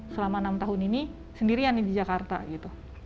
selama enam tahun ini sendirian nih di jakarta gitu